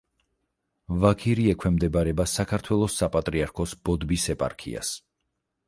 ვაქირი ექვემდებარება საქართველოს საპატრიარქოს ბოდბის ეპარქიას.